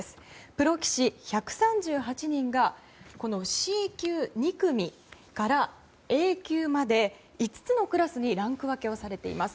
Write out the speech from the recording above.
プロ棋士１３８人がＣ級２組からＡ級まで５つのクラスにランク分けをされています。